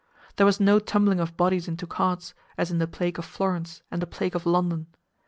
There was no tumbling of bodies into carts, as in the plague of Florence and the plague of London.